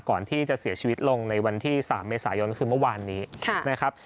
ก่อนที่จะเสียชีวิตลงในวันที่๓เมษายนคือเมื่อวานนี้นะครับ